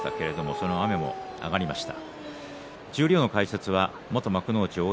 その雨も上がりました。